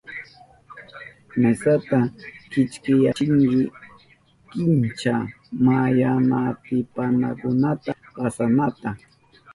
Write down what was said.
Mesata kichkiyachinki kincha mayanmaatipanankunapa pasanata.